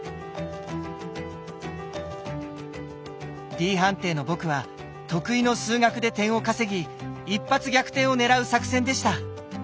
「Ｄ」判定の僕は得意の数学で点を稼ぎ一発逆転を狙う作戦でした。